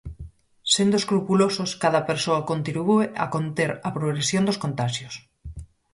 Sendo escrupulosos, cada persoa contribúe a conter a progresión dos contaxios.